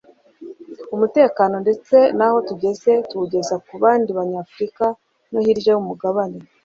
umutekano ‘ndetse naho tugeze tuwugeza ku bandi banyafurika no hirya y’umugabane’